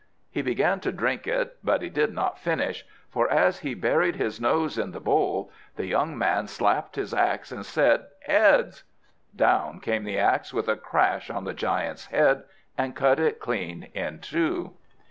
He began to drink it, but he did not finish; for as he buried his nose in the bowl, the young man slapped his axe, and said "Heads!" Down came the axe with a crash on the giant's head, and cut it clean in two!